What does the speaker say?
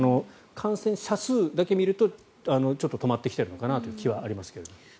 感染者数だけ見るとちょっと止まってきてるのかなという気はありますが。